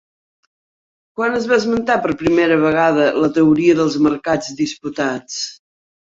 Quan es va esmentar per primera vegada la teoria dels mercats disputats?